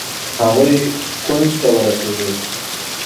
هغوئ کونج ته ورسېدل.